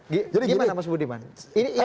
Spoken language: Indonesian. gimana mas budiman